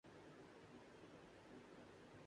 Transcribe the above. بلوچستان حکومت کی لوک گلوکار واسو خان کیلئے مالی امداد